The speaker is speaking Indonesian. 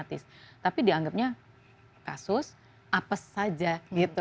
tapi dianggapnya kasus apes saja gitu